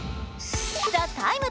「ＴＨＥＴＩＭＥ，」